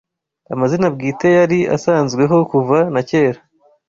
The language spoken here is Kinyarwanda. Amazina bwite yari asanzweho kuva na kera